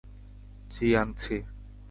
জ্বী, আনছি।